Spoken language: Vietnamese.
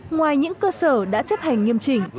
ngoài những cơ sở đã chấp hành nghiêm trình